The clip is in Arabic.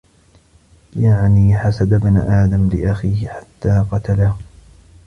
يَعْنِي حَسَدَ ابْنِ آدَمَ لِأَخِيهِ حَتَّى قَتَلَهُ